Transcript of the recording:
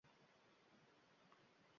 “Nima boʻldi?” – deya soʻradim hayron.